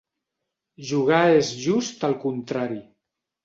Jugar és just el contrari.